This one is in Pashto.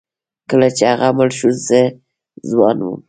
کله چې هغه مړ شو زه ځوان وم.